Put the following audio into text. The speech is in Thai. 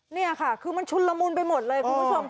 นี่ค่ะคือมันชุนละมุนไปหมดเลยคุณผู้ชม